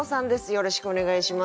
よろしくお願いします。